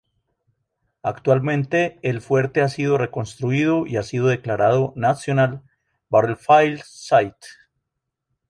Actualmente el fuerte ha sido reconstruido y ha sido declarado "National Battlefield Site".